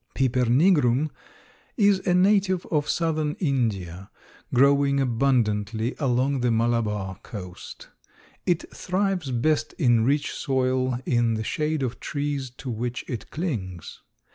Piper nigrum is a native of southern India, growing abundantly along the Malabar coast. It thrives best in rich soil in the shade of trees to which it clings.